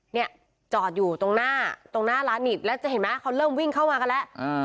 เนี่ยจอดอยู่ตรงหน้าตรงหน้าร้านอีกแล้วจะเห็นไหมเขาเริ่มวิ่งเข้ามากันแล้ว